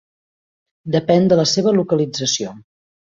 Depèn de la seva localització.